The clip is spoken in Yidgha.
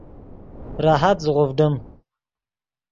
راحت زیغوڤڈیم